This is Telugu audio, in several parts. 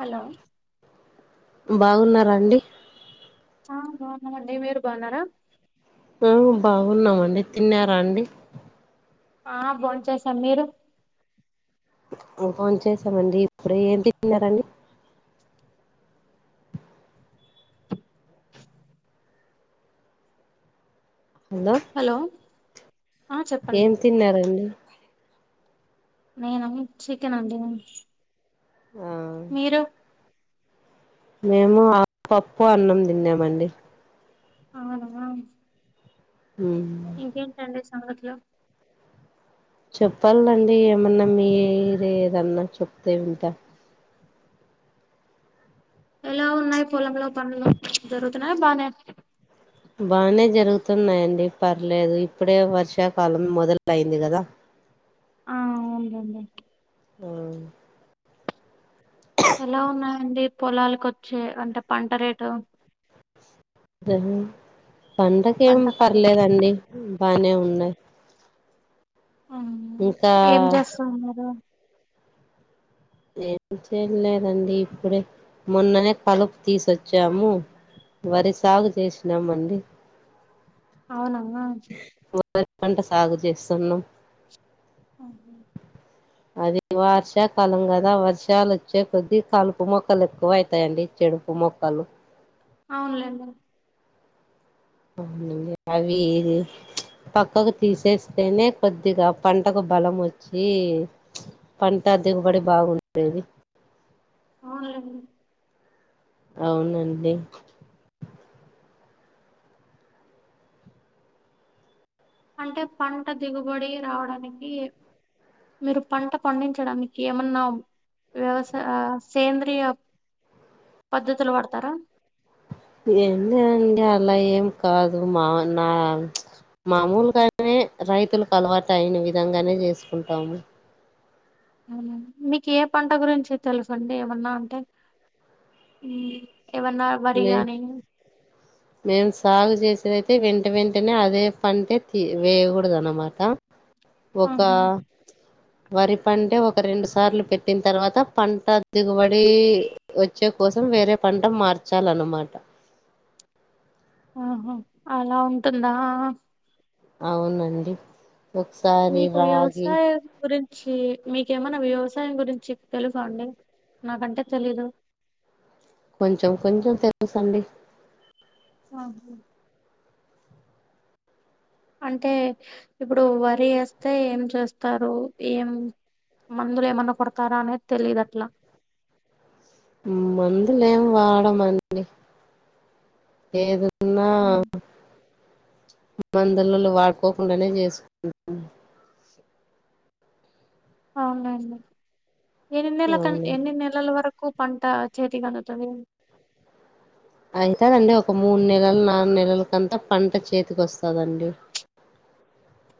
హలో బాగున్నారా అండి ఆ బాగున్నామండి మీరు బాగున్నారా ఆ బాగున్నామండి తిన్నారా అండి ఆ బోంచేసాం మీరు బోంచేసామండీ ఇప్పుడు ఏం తిన్నారండి హలో ఆ చెప్పండి ఏం తిన్నారండి నేనా చికెన్ అండి ఆ మీరు మేము ఆ పప్పు అన్నం తిన్నామండి అవున ఉ సన్గతులు చెప్పలండి ఏమన్నా మీరేదన్నా చెప్తే వింట ఎలా ఉన్నాయి పొలంలో పనులు జరుగుతున్నాయ బానే బానే జరుగుతున్నాయండి పర్లేదు ఇప్పుడే వర్షాకాలం మొదలయింది కదా ఆవునండి ఉ ఎలా ఉన్నాయండి పొలాలకొచ్చే అంటే పంట రేటు అద పంటకేం పంట ఖరీదు పర్లేదండి బానే ఉన్నాయ్ ఆ ఏం చేస్తాన్నారు ఏం చేయలేదండి ఇప్పుడే మొన్ననే కలుపు తీసొచ్చాము వరి సాగు చేసినాంమండి అవునా వరి పంట సాగు చేస్తునం ఆహ అది వర్షాకాలం కదా వర్షాలు వచ్చే కొద్ది కలుపు మొక్కలు ఎక్కువ అవుతాయండి చెడుపు మొక్కలు అవునులేండి అవునండి అవీ పక్కకు తీసేస్తేనే కొద్దిగా పంటకు బలం వచ్చి పంట దిగుబడి బాగుండేది అవులెండి అవునండి అంటే పంట దిగుబడి రావడానికి మీరు పంట పండించడానికి ఏమన్నా వ్యవసా సేంద్రీయ పద్ధతులు పడతారా ఏంలేదండీ అలా ఏం కాదు మా నా మామూలుగానే రైతులకు అలవాటు అయిన విధంగానే చేసుకుంటాము అవునా. మీకు ఏ పంట గురించి తెలుసండి ఏమన్నా అంటే ఏమన్నా వరి మే గానీ మేము సాగు చేసేదైతే వెంట వెంటనే అదే పంటే వేయకూడదనమాట ఒక ఆహా వరి పంటే ఒక రెండు సార్లు పెట్టిన తర్వాత పంట దిగుబడి వచ్చే కోసం వేరే పంట మార్చాలనమాట ఆహా అలా ఉంటుందా అవునండి ఒకసారి రాగి చ్చి మీకేమనా వ్యవసాయం గురించి తెలుసా అండి నాకంటే తెలీదు కొంచెం కొంచెం తెలుసండి ఆ అంటే ఇప్పుడు వరి వేస్తే ఏం చేస్తారు ఏం మందులు ఏమన్నా కొడతారా అనేది తెలిదట్లా మందులేం వాడమండి ఏదు నా మందులలో వాడుకోకుండానే చేసుకుంట అవునండి ఎన్ని నెల కంట అవునండి ఎన్ని నెలల వర కు పంట చేతి కందుతది అవుతదండి ఒక మూడు నెలలు నలుగు నెలలకంతా పంట చేతికి వస్తదండి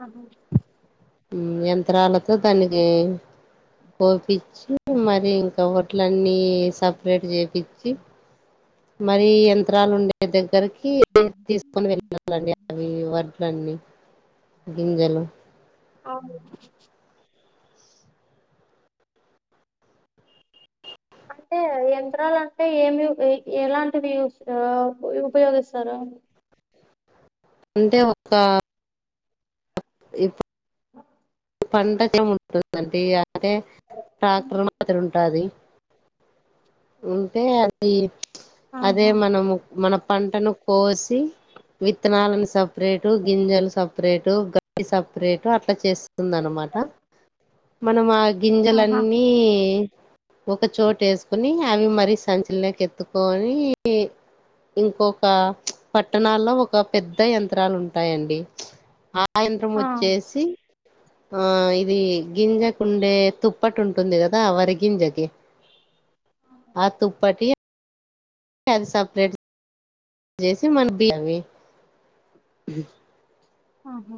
అ యంత్రాలతో దానికి కోపిచ్చి మరి ఇంకా ఒక అట్లన్నీ సపరేట్ చేయిించి మరి యంత్రాలు ఉండే దగ్గరకి తీసుకొని వెళ్ళలండి అవి వర్డ్లన్నీ గింజలు అవును అంటే యంత్రాలు అంటే ఏమి ఎలాంటివిూ యూస్ ఉపయోగిస్తారు అ అంటే ఒక ఇప్ ఆ పండగల ఉంటుందండి అదే ట్రాక్టర్ మాదిరిఉంటాది అంటే అది అదే ఆహా మనము మన పంటను కోసి విత్తనాలను సపరేటు గింజలు సప్ సపరేట్ గ సపరేట్ అట్లా చేస్తుందినమాట మనం అ ఆహా గింజలన్నీ ఒక చోటేస్ కుని అవి మరీ సంచలోకేత్తుకొని ఇంకొక పట్టణాల్లో ఒక పెద్ద యంత్రాలు ఉంటాయండి అ అ యంత్రం ఆ వచ్చేసి ఆ ఇది గింజకుండే తుప్పటి ఉంటుంది కదా వరి గింజకి ఆతుప్పటి అద్ సపరేట్ చేసి మన బ అవి ఆహా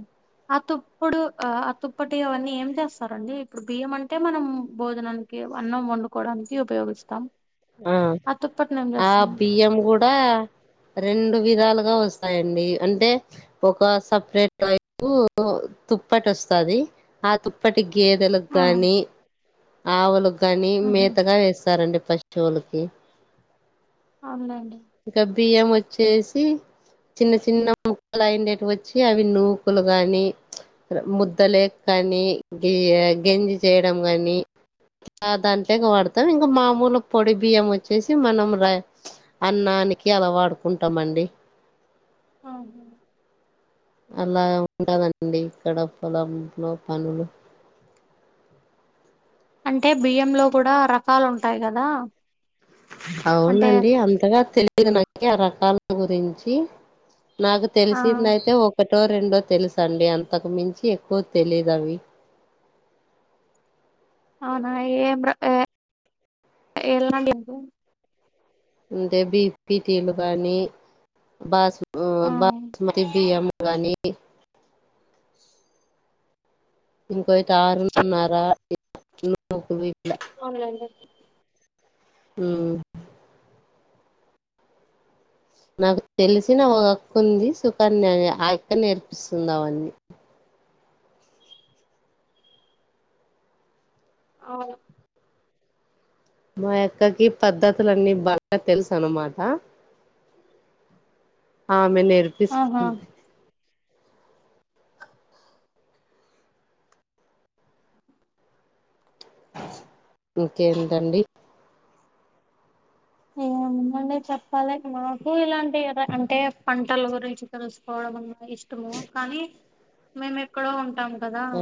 ఆ తుప్పుడు ఆ ఆ తుప్పటి అవన్నీ ఏం చేస్తారండి ఇప్పుడు బియ్యం అంటే మనం భోజనానికి అన్నం వండుకోవడానికి ఉపయోగిస్తాం ఆ తుప్పటిని ఏం ఆ చేస్తాం బియ్యం కూడా రెం డు విధాలుగా వస్తాయండి అంటే ఒక సపరేట్ై తుప్పట వస్తది ఆ తుప్పటి గేదెలకు ఆ గాని ఆవులుకి కాని ఉహు మేతగా వేస్తారండి పశువులకి అవునులేండి ఇంకా బియ్యం వచ్చేసి చిన్న చిన్న ముక్కలు అయిండవి వచ్చి అవి నూకులు గాని ర్ ముద్ద లేక్క కానీ గ గింజి చేయడం కాని దాంట్లో వాడతాం ఇంకా మామూలు పొడి బియ్యం వచ్చేసి మనం రా అన్నాని కిి అలా వాడుకుంటామండి ఆహా అలా ఉంటదండి ఇక్కడ పొలంలో పనులు అంటే బియ్యంలో కూడా రకాలు ఉంటాయి కదా అంటే అవునండి అంతగా తెలియదు నాకి ఆ రకాల గురించి నాకు ఆ తెలిసింది అయితే ఒకటో రెండో తెలుసు అండి అంతకు మించి ఎక్కువ తెలీదు అవి అవునా ఏ ఏళండి అంటే బీ బిపిటీలు కానీ బాసు ఆ బాసుమతి బియ్యం గానీ ఇంకోటి ఆరున్నార అవునులేండి ఉమ్ నాకు తెలిసిన ఒక అక్కు ఉంది సుఖన్య ఆ ఇక్క నేర్పిస్తుంది అవన్నీ ఆవును మా యక్కకి పద్ధతులన్నీ బాగా తెలుసు అనమాట ఆమె ఆహా నేర్పిస్తుంది ఇంకేంటండి ఏండి చెప్పాలి మాకు ఇలాంటి అంటే పంటల గురించి తెలుసుకోవడం ఇష్టము కానీ మేము ఎక్కడో ఉంటాం కదా ఆ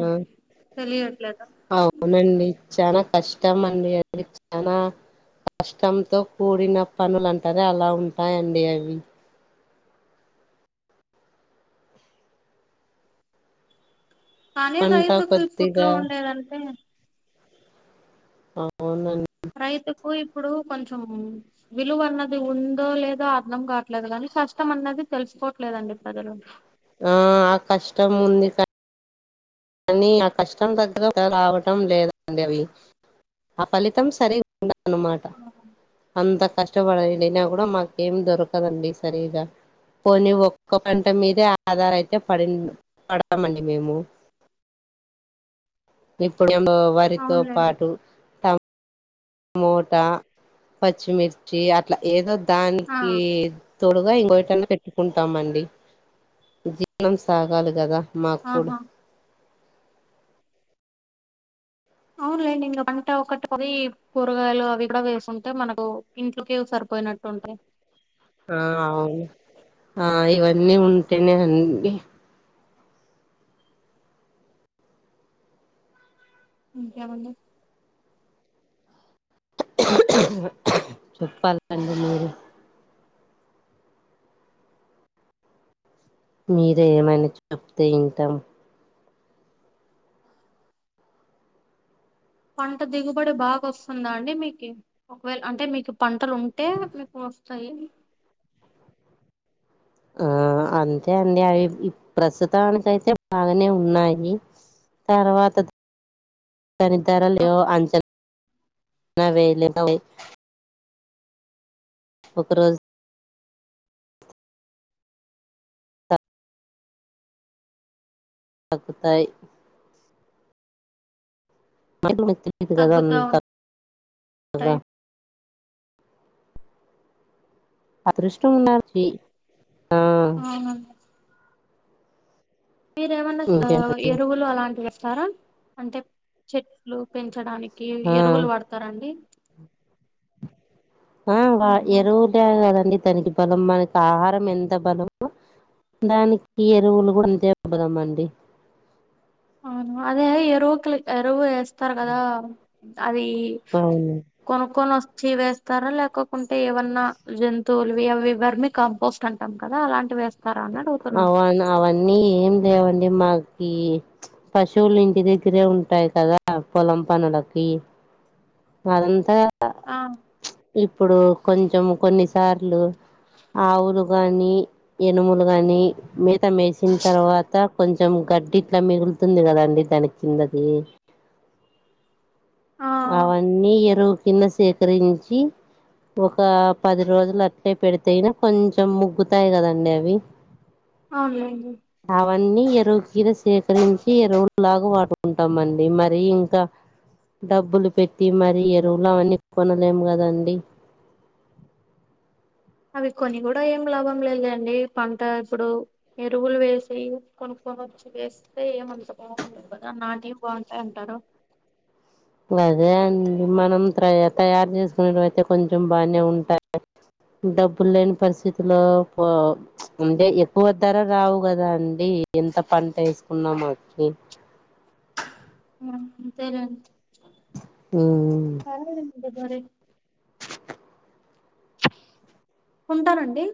తెలియట్లేదు అవునండి చనా కష్టం అండి చనా కష్టంతో కూడిన పనులు అంటరే అలా ఉంటాయండి అవి కానీ పంట రైతుకు ఇప్పుట్లో కొద్దిగా ఉండేదంటే అవునండి రైతుకు ఇప్పుడు కొంచెం విలువ అన్నది ఉందో లేదో అర్థం కావట్లేదు గానీ కష్టం అన్నది తెలుసుకోవట్లేదండి ప్రజలు ఆ ఆ కష్టం ఉంది కానీ ఆ కష్టం దగ్గర రావటం లేదండి అవి ఆ ఫలితం సరిగఉండదన్నమాట అంత కష్టం ఇష్టపడియినా కూడా మాక ఏం దొరకదండి సరిగా పోని ఒక్క గంట మీదే ఆధార్ అయితే పడిండు పడదామండి మేము ఇప్పుడు వరితో అవునులేండి పాటు త టమోటా పచ్చిమిర్చి అట్లా ఏదో ఆ దానికి తోడుగా ఇంకోటన్న పెట్టుకుంటామండి జీవనం సాగాలి కదా మాక్కూడా ఆహా అవును లేండి ఇం వంట ఒకటి కొది కూరగాయలు అవి కూడా వేసుంటే మనకు ఇంట్లోకే సరిపోయినట్టుంది ే ఆ అవును ఆ ఇవన్నీ ఉంటేనే అండి ఇంకేమండి చెప్పాలి అండి మీరు మీరే ఏమైనా చెప్తే ఇంటాం పంట దిగుబడి బాగ వస్తుందా అండి మీకి ఒకవేళ అంటే మీకు పంటలు ఉంటే మీకు వస్తాయి ఆ అంతే అండి అవి ప్రస్తుతానికై అయితే బాగానే ఉన్నాయి తర్వాత అ తనితరలు అంచనా నావెలవి ఒకరోజు తగ్కుతాయి మాకు మరి తెలీదు కదా తగ్గుతా అంత కద ఉంటాయి అదురుష్టం ఉండాలి అవునా మీరు ఏమన్నా ఇంకేంట ఎరువులు అలాంటి వేస్తారా అంటే చెట్లు పెంచడానికి ఆ ఎరువులు వడతారండి ఆ వా ఆహా ఎరువుటే కదండి తననికి బలం మనకి ఆహారం ఎంత బలమో దానికి ఎరువులు కూడా అంతే బలం అండి వును అదే ఎరువు క ఎరువు ఎస్తారు కదా అవి అవును కొనుక్కునినోస్ చ్చి వేస్తారా లేకకుంటే ఏవన్నా జంతువులువరిమి కాంపోస్ట్ అంటాం కదా అలాంటి వేస్త అవన్ అవన్నీ ఏం లేేవండి మాకు ఈ పశువులు ఇంటి దగ్గరే ఉంటాయి కదా పొలం పనులకి వాళ్లంతా ఆ ఇప్పుడు కొంచెం కొన్ని సార్లు ఆవులు గాని ఎనుములు కాని మేత వేసిన తర్వాత కొంచెం గడ్డి ఇట్లా మిగులుతుంది కదండి దాన్ని మీ చిన్నది ఆ అవన్నీ ఎరువు కింద సేకరించి ఒక పది రోజులు అట్టే పెడితేయినా కొంచెం ముగ్గుతాయి కదండి అవి అవునండి అవన్నీ ఎరువు కింద సేకరించి ఎరువులు లాగా వాడుకుంటామ అండి మరి ఇంకా డబ్బులు పెట్టి మరి ఎరువులు అవన్నీ కొనలేము కదండి అవి కొని కూడా ఏం లాభం లేదుండి పంట ఇప్పుడు ఎరువులు వేసి కొనుకోవడాం కూచి వేస్తే ఏమంత బాగుంటదు కదా నాంటివి బాగుంటాయి అంటారు అదే అండి మనం త తయారు చేసుకునేట అయితే కొంచెం బానే ఉంటాయి డబ్బులు లేని పరిస్థితులో పో అంటే ఎక్కువ ధర రావు కదా అండి ఎంత పంట వేసుకున్న మనకి ఆ అంతేలెండి అది ఉంటానండి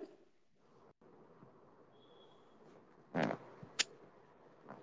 ఆ